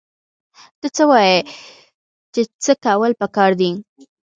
ته څه وايې چې څه کول پکار دي؟